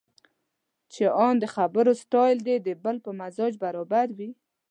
چې ان د خبرو سټایل دې د بل په مزاج برابر وي.